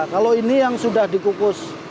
kalau ini yang sudah dikukus